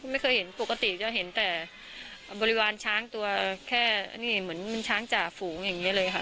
ไม่เคยเห็นปกติจะเห็นแต่บริวารช้างตัวแค่นี่เหมือนมันช้างจ่าฝูงอย่างนี้เลยค่ะ